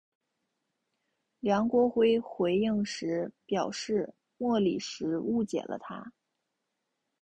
梁国辉回应时表示莫礼时误解了他。